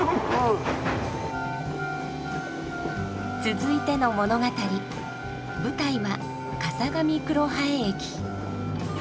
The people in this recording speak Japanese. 続いての物語舞台は笠上黒生駅。